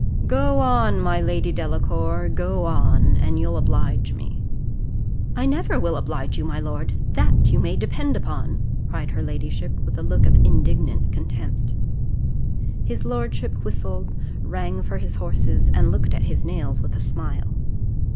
Go on, my Lady Delacour go on, and you'll oblige me." "I never will oblige you, my lord, that you may depend upon," cried her ladyship, with a look of indignant contempt. His lordship whistled, rang for his horses, and looked at his nails with a smile.